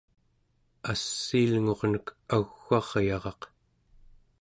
assiilngurnek au͡g'aryaraq